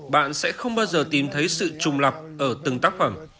bạn sẽ không bao giờ tìm thấy sự trùng lập ở từng tác phẩm